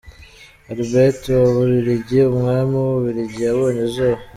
Albert wa w’u Bubiligi, umwami w’u Bubiligi yabonye izuba.